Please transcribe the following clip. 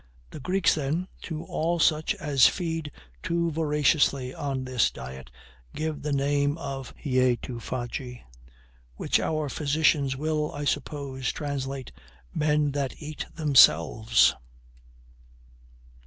The Greeks, then, to all such as feed too voraciously on this diet, give the name of HEAUTOFAGI, which our physicians will, I suppose, translate MEN THAT EAT THEMSELVES.